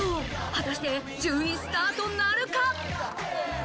果たして１０位スタートなるか。